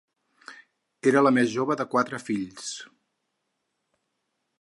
Era la més jove de quatre fills.